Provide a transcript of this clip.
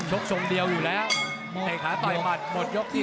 ทรงเดียวอยู่แล้วเตะขาต่อยหมัดหมดยกที่๓